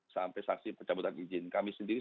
sampai saksi pencabutan izin kami sendiri